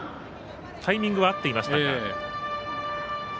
タイミングは合っていました。